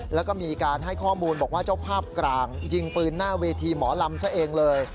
แล้วก็มีการให้ข้อมูลบอกว่าเจ้าภาพกลางยิงปืนหน้าเวทีหมอลำซะเองเลย